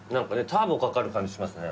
ターボかかる感じしますね。